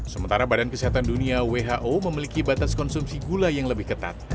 sementara badan kesehatan dunia who memiliki batas konsumsi gula yang lebih ketat